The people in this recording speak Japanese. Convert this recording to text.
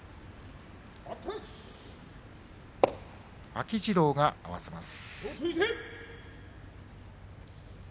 秋治郎が合わせます。